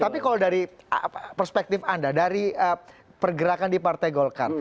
tapi kalau dari perspektif anda dari pergerakan di partai golkar